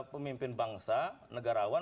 pemimpin bangsa negarawan